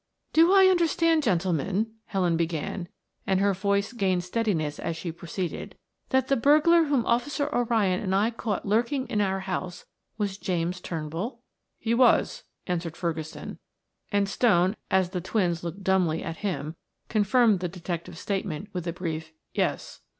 "Do I understand, gentlemen," Helen began, and her voice gained steadiness as she proceeded, "that the burglar whom Officer O'Ryan and I caught lurking in our house was James Turnbull?" "He was," answered Ferguson, and Stone, as the twins looked dumbly at him, confirmed the detective's statement with a brief, "Yes."